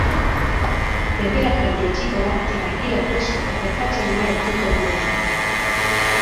Tenperatura jaitsiko da eta giro fresko eta ezatsegina edukiko dugu, beraz.